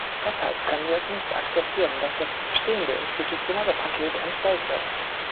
Deshalb können wir es nicht akzeptieren, dass das bestehende institutionelle Paket entstellt wird.